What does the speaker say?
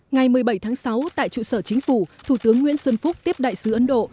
ngày một mươi bảy tháng sáu tại trụ sở chính phủ thủ tướng nguyễn xuân phúc tiếp đại sứ ấn độ